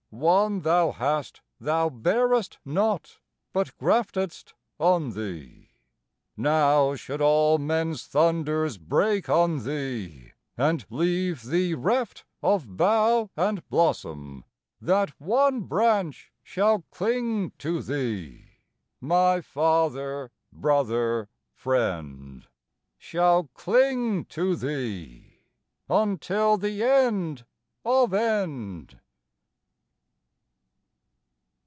One thou hast Thou barest not, but grafted'st on thee. Now, Should all men's thunders break on thee, and leave Thee reft of bough and blossom, that one branch Shall cling to thee, my Father, Brother, Friend, Shall cling to thee, until the end of end!